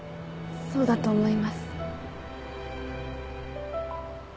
そうだと思います。